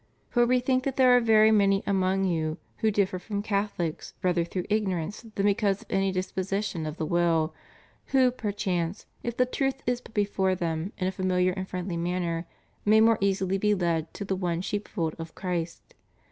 For We think that there are * James v. 16. 452 TRUE AND FALSE AMERICANISM IN RELIGION. very many among you who differ from Catholics rather through ignorance than because of any disposition of the will, who, perchance, if the truth is put before them in a familiar and friendly manner, may more easily be led to the one sheepfold of Christ.